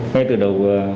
ngay từ đầu